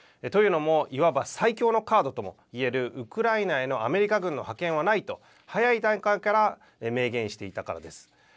というのも、いわば最強のカードともいえるウクライナへのアメリカ軍の派遣はないと、早い段階から明言していたからです。